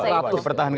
iya dari persentase